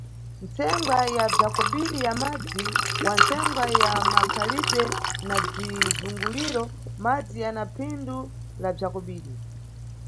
Ntsengwa ya bza kobiri ya madzi wa ntsengwa ya makhalidwe na bzizunguliro, madzi yana phindu la bza kobiri.